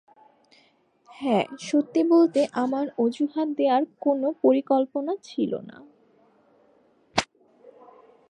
হে, সত্যি বলতে আমার অজুহাত দেয়ার কোনো পরিকল্পনা ছিলোও না।